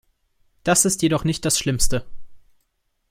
Das ist jedoch noch nicht das Schlimmste.